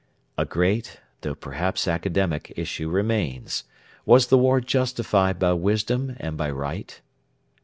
A great, though perhaps academic, issue remains: Was the war justified by wisdom and by right?